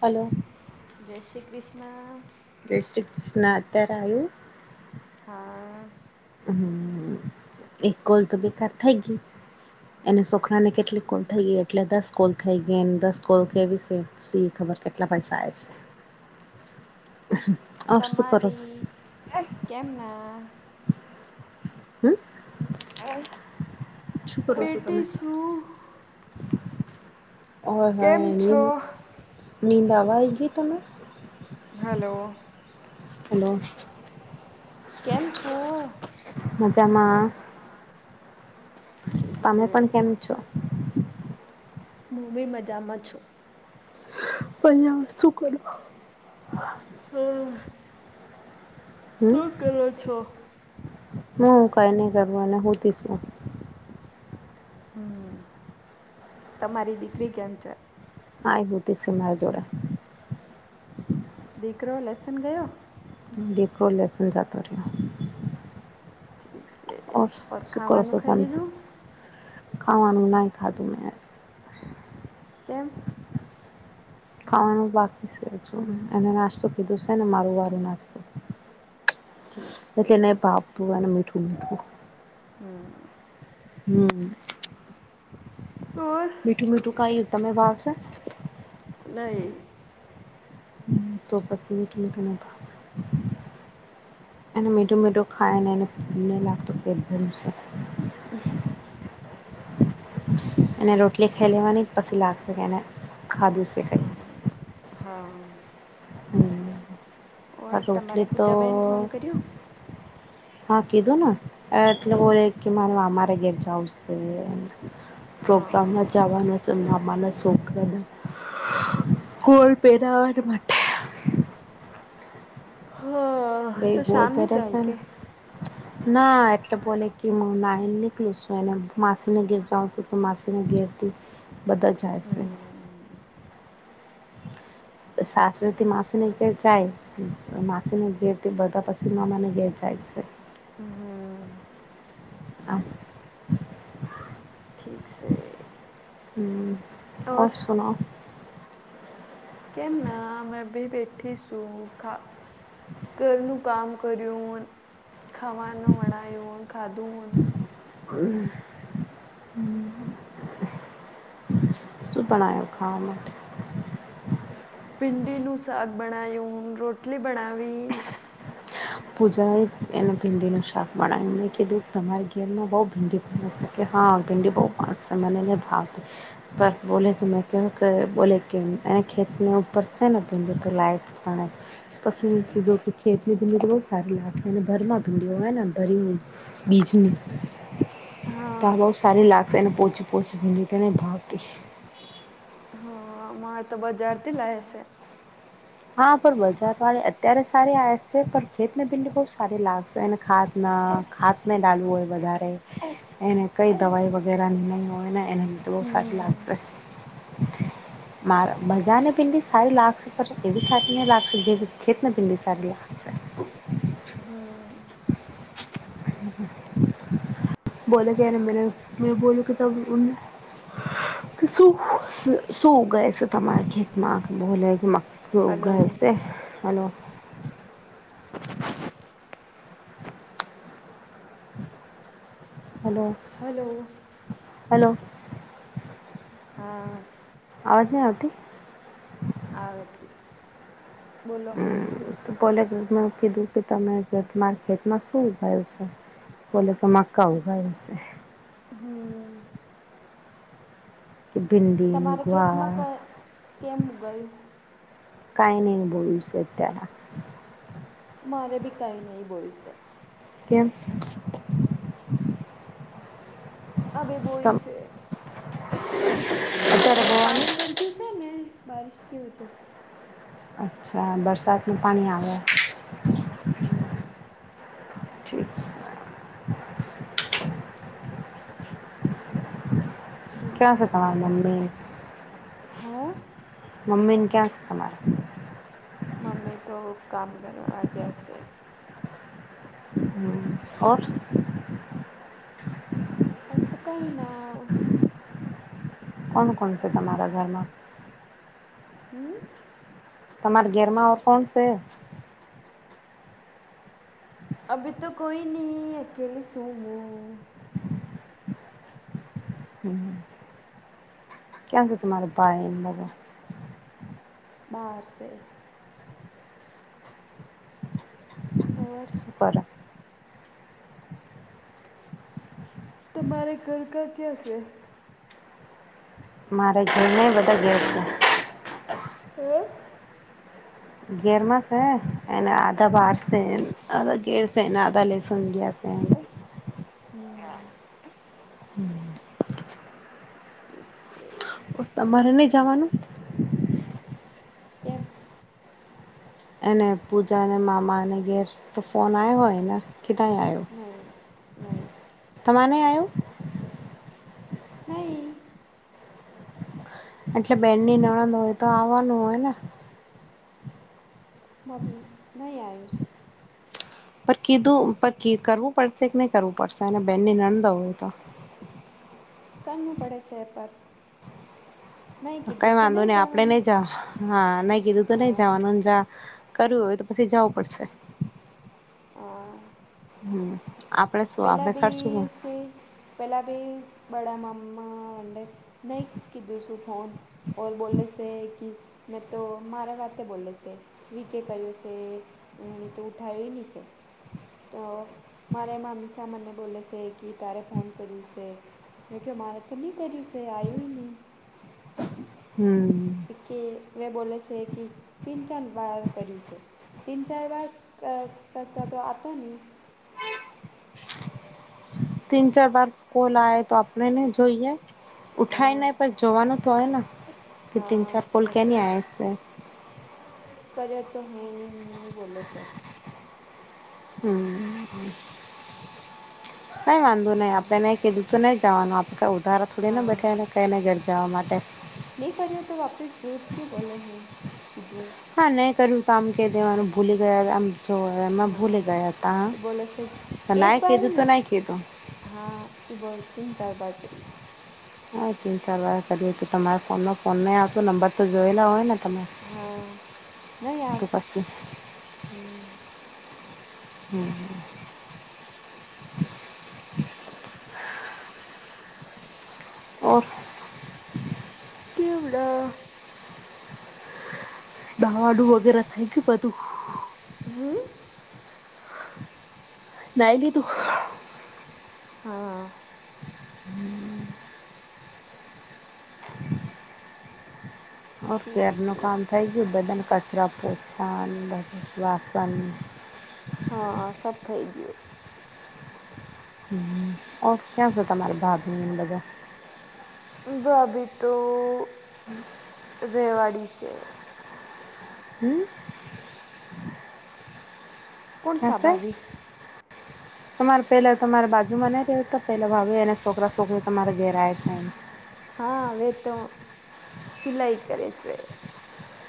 Hello જય શ્રી કૃષ્ણા. જય શ્રી ક્રિષ્ના. અત્યારે આયું? હા. હમ્મ. એક કોલ તો બેકાર થઈ ગયું. એને સોખરા ને કેટલીક કુલ થઈ એ એટલે દસ કોલ થઈ ગઈને દસ કોલ કેવી છે સી ખબર કેટલા પૈસા આવે છે. [inaudible] શું કરો છો તમારી કેમ હમ. બેટી શું હા, હા કેમ છો નીંદ નીંદ આવી ગઈ તમે? હલો. હલો. કેમ છો? મજામાં ઠીક તમે છે પણ કેમ છો? હું બી મજામાં છું. [unintelligible] શું કરો? હમ. હમ હું કઈ નહીં કરવાના હુંતી શું. હમ તમારી દીકરી કેમ છે? હા હોતી શે મારા જોડે. દીકરો લેસન ગયો. દીકરો લેસન જતો રહ્યો. ઠીક છે. ઓર શું કરો ખાવાનું ખાઈ તમ લીધું ખાવાનું નહીં ખાતું મેં. કેમ? ખાવાનું બાકી છે એને નાસ્તો કીધો છે ને મારું વારું નાસ્તો. ઠીક છે એટલે નહીં [unintelligible] અને મીઠું મીઠું. હમ. ઓર? મીઠું મીઠું કઈ તમે ભાવશે. નહીં. તો પસી [unintelligible] એને મીઠું મીઠું ખાય ને એને નહીં લાગતું પેટ ભર્યું છે. [inaudible] એને રોટલી ખાઈ લેવાની જ પછી લાગશે કે એને ખાધું શે કઈ. હા. ઓર આ તમારે રોટલી તો પૂજાબેન ફોન કર્યો હા કીધું ને એટલે બોલે કે માર અમારે ઘેર જ આવું શે પ્રોગ્રામ હા ના જવાનો મારા છોકરા ને [unintelligible] બે બોર જાય કે [unintelligible] ના એટલે બોલે કે હું નાહીને નીકલું છું એને માસીને ઘેર જાઉં છું તો માસીને ઘેરથી બધા જાય છે. હમ સાસરાથી માસી ની ઘેર જાય. માસીને ઘેર તે બધા પસી મામાના ઘેર જાય છે. હમ હા. ઠીક છે ઓર સુના ઓ. કેમ ના મેં બી બેઠી છું ખા ઘરનું કામ કરયું ખવાનું બનાયુ ખાધું. [inaudible] શું બનાયું ખાવા માટે. ભીંડીનું શાક બનાાયું રોટલી બનાવી. પુજા એ એને ભીંડીનું શાક બણાયુ મે કીધું તમારી ઘેરમાં બહું ભીંડી કે હા ભિંડી બહું [unintelligible] મને નહીં [unintelligible] પર બોલે કે મેં [unintelligible] કે બોલે કે એને ખેતને ઉપર છે ને [unintelligible] હમ, [unintelligible] સારી લાગશે અને ભર માં ભીંડઓ હોય ને ભરીને બીજની કાલ બઉ હા સારી લાગશે એને પોછું પોચું તને ભાવતી અમાર તો બજાર થી લાએ શે હા પણ બજાર વાળી અત્યારે સારી આવે છે પણ ખેતને બિલને બહું સારી લાવે એને ખાતના ખાતને ડાલવું હોય વધારે એને કઈ દવાઈ વગેરેની નહીં હોય ને એને બહુ સારી હમ લાગશે. મા બજાર ભીંડી સારી લાખશે ખરી એવી સારી નઈ લાગશે જેવી ખેત ભીંડી સારી લાગશે હમ બોલો કે મે [unintelligible] શું શું ઉગાય છે તમારા ખેતમાં [unintelligible] ઘઉં હલો ઊગાયા સે અને હલો. હલો હેલો હા અવાજ નહી આવતી આવે છે બોલો તો પોલે કિક મેં કીધું કે તમે તમારા ખેતમાં શું ઉભાયું છે બોલે તો મક્કા ઉગયા સે હમ ભિંડી તમારે ખેતમાં ગવાર ક કેમ ગયું કાઈ નહી બોલું છે તેના મારે બી કઈ નહી બોલું છે. કેમ? અભી બોઈ તમ છે. [inaudible] ખેત મેં હોવાનું પાણી ભરગય્યું છે ને બારિશ કે વજશે અચ્છા બરસાતનું પાણી આવેે હમ્મ. ઠીક છે ક્યાં છે તમારી મમ્મી હા મમ્મી ને ક્યાં છે તમારા મમ્મી તો કામ કરવા ગયા શે હમ. ઓર ઓર તો કઈના કોણ કોણ છે તમારા ઘરમાં હમ્મ. તમારી ઘેરમાં કોણ છે અભી તો કોઈ ની અકેલી શું હું હમ્મ. ક્યાં છે તમારે ભાઈ ને બધા બહાર છે. ઓર [unintelligible] તમારે ઘર કા ક્યાં છે. મારે ભઈને બધા ઘેર છે. હમ્મ. [unintelligible] [unintelligible] હમ્મ. [inaudible] [inaudible] તમારે નહીં જવાનું કેમ? એને પૂજાને મામાને ઘેર તો ફોન આવ હોય એના કેદા ને આયો નહીં નહીં તમાને આયો. નહી. એટલે બેનની નણંદ હોય તો આવવાનું હોય ને. માર નહીં આયો છે. પર કીધું પર કરવું પડશે કે નહી કરવું પડશે અને બેનને નંદ હોય તો. કરને પડે સેહે પર. નહીં કઈ કીધું તું વાંધો નહીં નહી આપડે જવાનું નઈ જા હા નહી કીધું તો નઈ હા જવાનું જા કરું હોય તો પછી જવું પડશે. હા. હમ્મ આપડે શું આપડે ખર્ચું કે પહેલા ભ બડાા મામા વંડે નહીં કીધું શું ફોન. ઓર બોલલે છે કે મેં તો મારે વાતે હ બોલે છે. વી કે કયો છે એણી તું ઉઠાય નહી છે. તો મારે મામી શા મને બોલે છે કે તારે ફોન કર્યું છે. મેં મારે તો નહી કર્યું સ એ આયું એ ની. હમ્મ. તે કે મેં બોલે છે કે તુમ કેમ વાર કર્યું છે. તીન ચાર વાર કર કરતા તો આતો નહી. તીન ચાર બર કોલ આવે તો આપણેને જોઈએ. ઉઠાય હા ને પણ જોવાનું તો હોય ને કે તીન ચાર પોલ હા એસે કેની આઈ હી છે. કર્યો તો હું ને ની બોલે છેે. હમ્મ. કાઈ વાંધો નહીં હા આપડે નહીં કીધું તો નહીં જવાનું આપડે કંઈ ઉધારો થોડીને હા બેઠા ને કંઈને ઘર જવા માટે. નહી કર્યો તો વાપસ જોઠ કું બોલો હૈ કીધું. હા નહી કર્યું તો આમ ક દેવાનું ભૂલી ગયા આમ છું એ મેં ભૂલે હા ગયા તા તો બોલે છે હા એક નહીં બાર ય કીધું તો નહીં કીધું. હા, એ બોલ તન ચાર બાર કર્યું છે. હા તીન ચાર બાર કરીએ તો તમારે ફોન ને ફોન નહીંઆવો નંબર તો જોયેલા હોય ને તમે હા તો પછી. હમ્મ. હમ્મ હમ્મ. ઓર? કેવડો. નહાવા નું વગેરે થઈ ગયું બધું? હમ્મ? નાઈ લીધું? હા. હા ઠીક ક્યાર નું છે કામ થઈ ગયું બધા ના કચરા પોછા ને બધું વાસન હા, સબ થઈ ગયું. હમ્મ હમ્મ ઓર ક્યાં છે તમારે ભાભી ને એ બધા? ભાભી તો રેવાડી છે. હમ્મ? કોણ ખા સા સે? ભાભી તમાર પહેલાં તમારે બાજુમાં નહી રહે્યો તો પહેલા ભાભી એને છોકરાં છોકરી તમારે ઘેર આએ છે એમ. હા વે તો સિલાઈ કરે છે.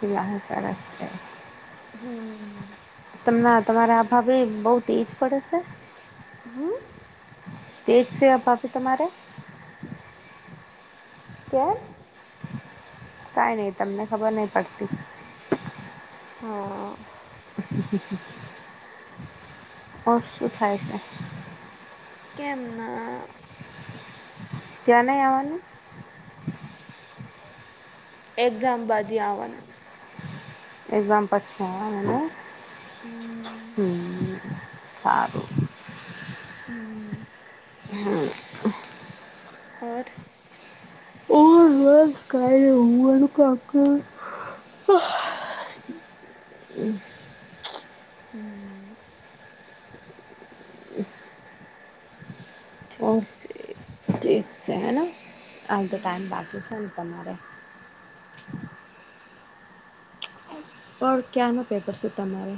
સિવા કરે સે. હમ્મ. તમને તમારા આ ભાભી બહુ તેજ પડે છે? હમ્મ? તેજ છે અ ભાભી તમારે કેમ કાઈ નહી તમને ખબર નહી પડતી હા [inaudible] [inaudible] [unintelligible] શું થાય છે કેમના ક્યાં નય આવવાનું એક્ઝામ બાદી આવવાનું એક્ઝામ પછી અને હમ હ સારું હમ્મ. હમ્મ ઓર ઓર બસ કાય ની હુંવાનું કામ કરું હમ [inaudible] ઓ ઠીક છે ઠીક છે હેન આ તો ટાઈમ બાકી સે ને તમારે ઓર ક્યાંનો પેપર શે તમારે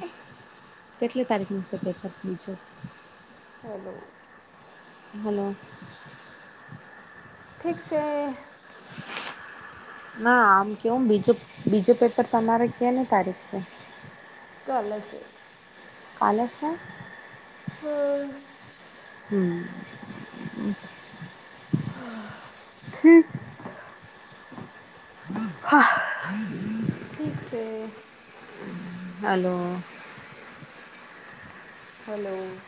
કેટલી તારીખનું શે પેપર હલો હલો ઠીક છે ના આમ કેવું બીજું બીજું પેપર તમારે કેની તારીખ છે કાલે છે કાલે સે હમ્મ. હમ્મ હમ્મ [inaudible] ઠીક સે હાલો હલો